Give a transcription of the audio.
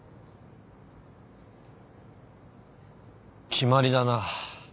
決まりだな。